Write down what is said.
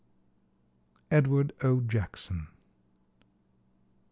Edward O. Jackson.